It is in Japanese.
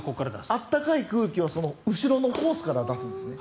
暖かい空気は後ろのホースから出すんですね。